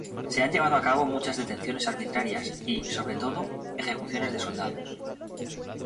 Se han llevado a cabo muchas detenciones arbitrarias y, sobre todo, ejecuciones de soldados.